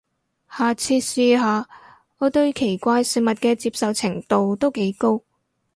下次試下，我對奇怪食物嘅接受程度都幾高